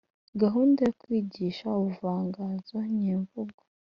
gahunda yo kwigisha ubuvanganzo nyemvugo